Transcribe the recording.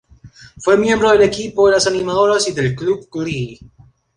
Fue miembro de el equipo de las animadoras y del Club Glee.